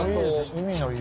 「海の家」